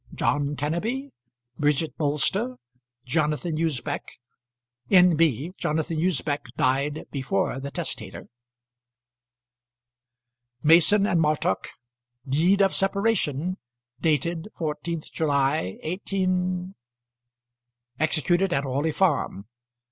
John Kenneby; Bridget Bolster; Jonathan Usbech. N.B. Jonathan Usbech died before the testator. Mason and Martock. Deed of separation; dated 14th July 18 . Executed at Orley Farm.